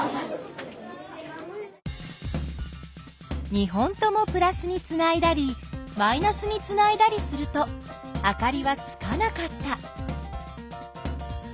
２本ともプラスにつないだりマイナスにつないだりするとあかりはつかなかった。